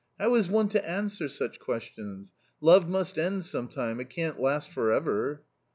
how is one to answer such questions? Love must end some time ; it can't last for ever."